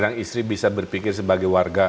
kadang kadang istri bisa berpikir sebagai warga kan